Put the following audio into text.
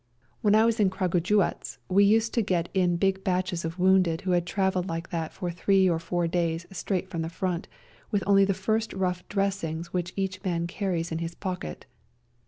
When I was in Kragujewatz we used to get in big batches of wounded who had travelled like that for three or four days straight from the Front, with only the first rough dressing which each man carries in his pocket.